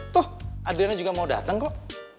toh adriana juga mau dateng kok